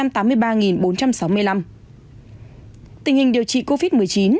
tình hình điều trị covid một mươi chín